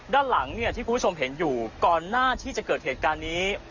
ด้านหลังเนี่ยที่คุณผู้ชมเห็นอยู่ก่อนหน้าที่จะเกิดเหตุการณ์นี้